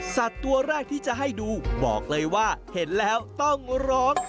สัตว์ตัวแรกที่จะให้ดูบอกเลยว่าเห็นแล้วต้องร้อง